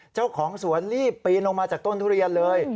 เจ้าของสวนรีบปีนลงมาจากต้นทุเรียนเลย